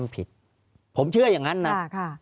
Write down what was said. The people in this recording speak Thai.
ภารกิจสรรค์ภารกิจสรรค์